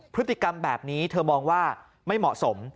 พฤติกรรมแบบนี้เธอมองว่าไม่เหมาะสม